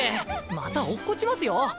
また落っこちますよ！